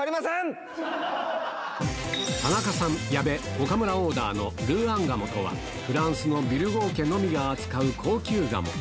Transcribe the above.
田中さん、矢部、岡村オーダーのルーアン鴨とは、フランスのビュルゴー家のみが扱う高級鴨。